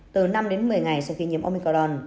từ năm đến một mươi ngày sau khi nhiễm omicorn